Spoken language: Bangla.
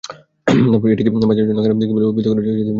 এটিকে বাজারের জন্য খারাপ দিক বলে অভিহিত করেছেন িডন মোহাম্মদ মূসা।